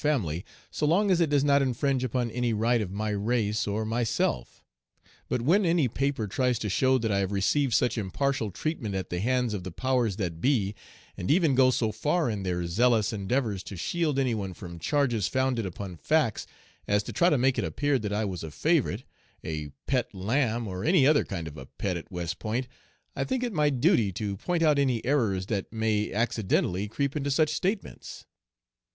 Family, so long as it does not infringe upon any right of my race or myself; but when any paper tries to show that I have received such impartial treatment at the hands of 'the powers that be,' and even go so far, in their zealous endeavors to shield any one from charges founded upon facts, as to try to make it appear that I was a favorite, a pet lamb, or any other kind of a pet, at West Point, I think it my duty to point out any errors that may accidentally (?) creep into such statements.